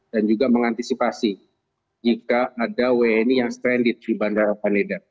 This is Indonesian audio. dan juga mengantisipasi jika ada wni yang stranded di bandara paneda